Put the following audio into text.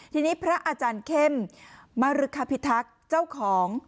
ทีนี้พระอาจารย์เข้มมรุคพิทักษ์เจ้าของ